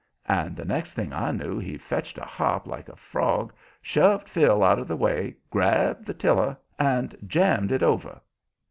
And the next thing I knew he fetched a hop like a frog, shoved Phil out of the way, grabbed the tiller, and jammed it over.